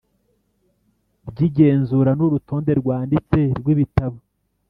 Ry igenzura n urutonde rwanditse rw ibitabo